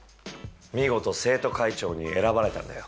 見事生徒会長に選ばれたんだよ。